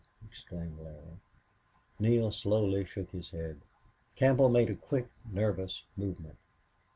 exclaimed Larry. Neale slowly shook his head. Campbell made a quick, nervous movement.